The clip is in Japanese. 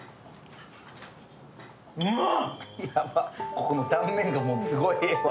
ここの断面がすごいええわ。